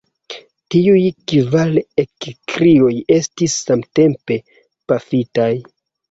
Tiuj kvar ekkrioj estis samtempe pafitaj.